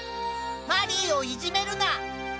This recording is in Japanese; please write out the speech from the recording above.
マリーをいじめるな！